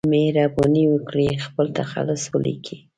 مهرباني وکړئ خپل تخلص ولیکئ